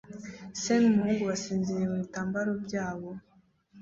Se n'umuhungu basinziriye mu bitambaro byabo